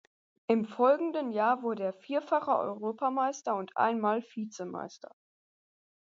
Im folgenden Jahr wurde er vierfacher Europameister und ein mal Vizemeister.